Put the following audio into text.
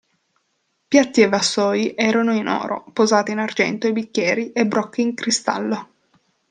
Piatti e vassoi erano in oro, posate in argento e bicchieri e brocche in cristallo.